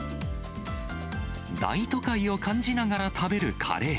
大都会を感じながら食べるカレー。